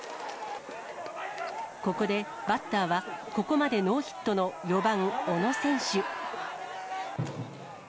ここでバッターはここまでノーヒットの４番小野選手。